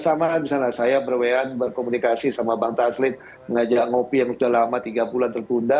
sama misalnya saya ber wa an berkomunikasi sama bang taslim mengajak kopi yang sudah lama tiga bulan terbunda